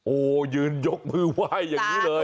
โอ้โหยืนยกมือไหว้อย่างนี้เลย